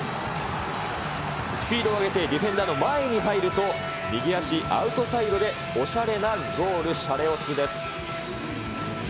スピードを上げてディフェンダーの前に入ると、右足アウトサイドでおしゃれなゴール、シャレオツです。